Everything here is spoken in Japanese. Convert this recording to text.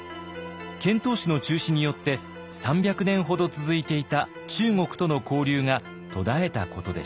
遣唐使の中止によって３００年ほど続いていた中国との交流が途絶えたことでした。